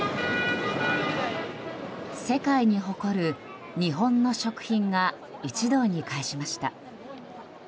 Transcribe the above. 世界に誇る日本の食品が一堂に会しました。